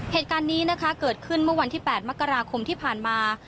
เหตุการณ์นี้นะคะเกิดขึ้นเมื่อวันที่๘มกราคมที่ผ่านมา